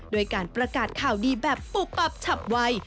ด้วยการประกาศข่าวดีแบบปุบปับฉับไว